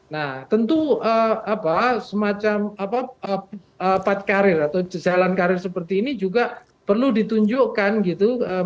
nah tentu semacam pad karir atau jalan karir seperti ini juga perlu ditunjukkan gitu